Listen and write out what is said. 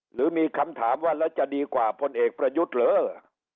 หรือมีคำถามว่าแล้วจะดีกว่าพลเอกประยุทธ์เหรอ